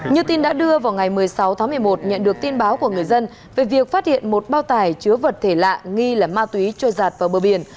như tin đã đưa vào ngày một mươi sáu tháng một mươi một nhận được tin báo của người dân về việc phát hiện một bao tải chứa vật thể lạ nghi là ma túy trôi giạt vào bờ biển